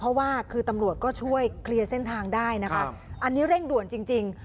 เพราะว่าคือตำรวจก็ช่วยเคลียร์เส้นทางได้นะครับอันนี้เร่งด่วนจริงจริง